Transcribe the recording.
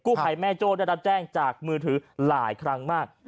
ภัยแม่โจ้ได้รับแจ้งจากมือถือหลายครั้งมาก